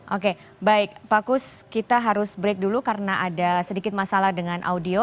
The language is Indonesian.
oke baik pak kus kita harus break dulu karena ada sedikit masalah dengan audio